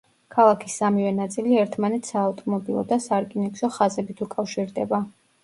ქალაქის სამივე ნაწილი ერთმანეთს საავტომობილო და სარკინიგზო ხაზებით უკავშირდება.